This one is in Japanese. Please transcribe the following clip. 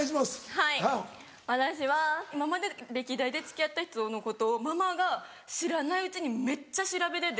はい私は今まで歴代で付き合った人のことをママが知らないうちにめっちゃ調べてて。